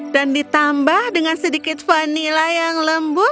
dan ditambah dengan sedikit vanila yang lembut